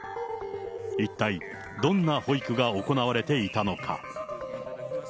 一体、どんな保育が行われていたのか。